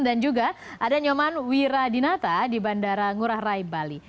dan juga ada nyoman wiradinata di bandara ngurah rai bali